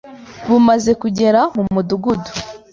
Bumaze kugera mu mudugudu.